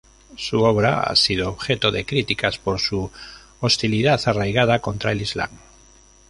Su obra ha sido objeto de críticas, por su "hostilidad arraigada" contra el Islam.